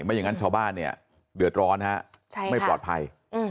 ไม่อย่างนั้นชาวบ้านเนี่ยเดือดร้อนฮะไม่ปลอดภัย